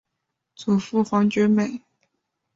祖父黄厥美。